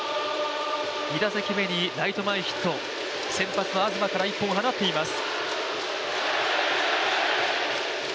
２打席目にライト前ヒット、先発の東から１本を放っています。